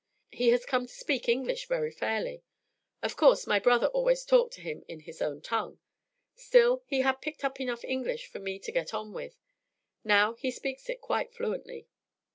He has come to speak English very fairly. Of course, my brother always talked to him in his own tongue; still, he had picked up enough English for me to get on with; now he speaks it quite fluently.